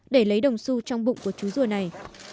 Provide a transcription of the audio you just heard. để lấy đồng su trong bụng của chú rùa này